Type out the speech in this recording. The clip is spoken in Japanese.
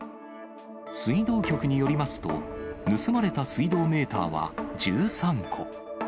水道局によりますと、盗まれた水道メーターは１３個。